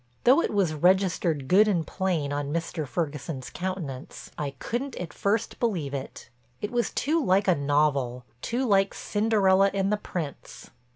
Though it was registered good and plain on Mr. Ferguson's countenance, I couldn't at first believe it. It was too like a novel, too like Cinderella and the Prince.